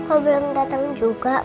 oh belum datang juga ma